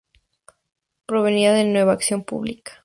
Provenía de Nueva Acción Pública.